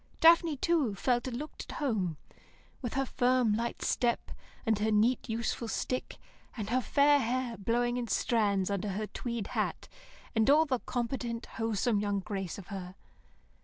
Daphne, too, felt and looked at home, with her firm, light step, and her neat, useful stick, and her fair hair blowing in strands under her tweed hat, and all the competent, wholesome young grace of her.